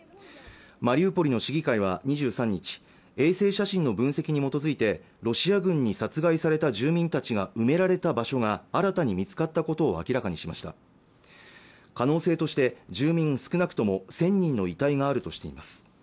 マリウポリの市議会は２３日衛星写真の分析に基づいてロシア軍に殺害された住民たちが埋められた場所が新たに見つかったことを明らかにしました可能性として住民少なくとも１０００人の遺体があるとしています